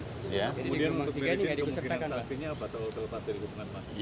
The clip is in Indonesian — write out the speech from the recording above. kemudian untuk meri jane kemungkinan selasihnya apa terlepas dari hukuman pak